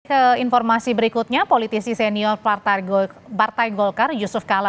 ke informasi berikutnya politisi senior partai golkar yusuf kala